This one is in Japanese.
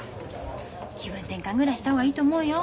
気分転換ぐらいした方がいいと思うよ。